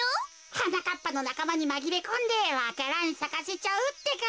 はなかっぱのなかまにまぎれこんでわか蘭さかせちゃうってか。